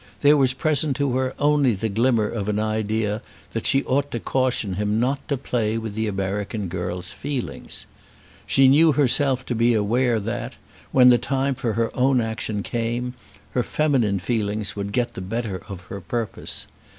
There was present to her only the glimmer of an idea that she ought to caution him not to play with the American girl's feelings. She knew herself to be aware that, when the time for her own action came, her feminine feelings would get the better of her purpose.